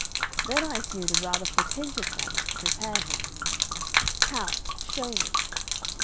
Then I assumed a rather portentous manner to prepare him." "How? Show me."